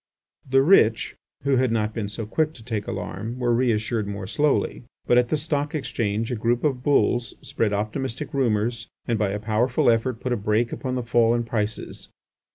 The rich, who had not been so quick to take alarm, were reassured more slowly. But at the Stock Exchange a group of "bulls" spread optimistic rumours and by a powerful effort put a brake upon the fall in prices.